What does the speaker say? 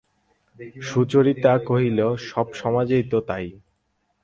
সুচরিতা কহিল, সব সমাজই তো তাই।